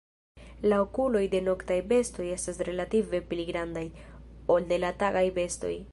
La okuloj de noktaj bestoj estas relative pli grandaj, ol de la tagaj bestoj.